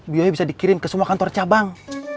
bu yoyo bisa dikirim ke semua kantor cabang